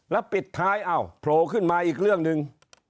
แล้วปิดท้ายอ้าวโผล่ขึ้นมาอีกเรื่องหนึ่ง